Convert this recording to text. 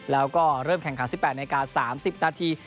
แล้วก็เริ่มแข่งขัน๑๘นาที๓๐นาที